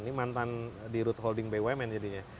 ini mantan di root holding bumn jadinya